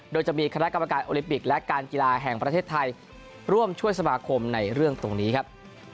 โดยจะมีคณะกรรมการโอลิมปิกและการกีฬาแห่งประเทศไทยร่วมช่วยสมาคมในเรื่องตรงนี้ครับ